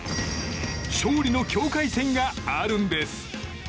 勝利の境界線があるんです。